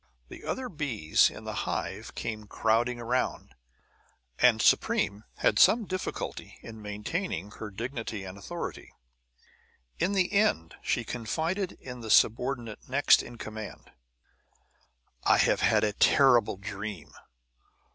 The other bees in the hive came crowding around, and Supreme had some difficulty in maintaining her dignity and authority. In the end she confided in the subordinate next in command: "I have had a terrible dream.